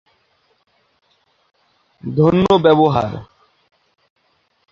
ধন্য ব্যবহার!